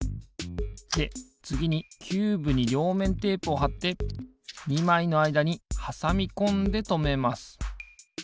でつぎにキューブにりょうめんテープをはって２まいのあいだにはさみこんでとめます。